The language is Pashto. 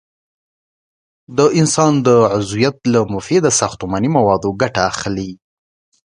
د انسان د عضویت له مفیده ساختماني موادو ګټه اخلي.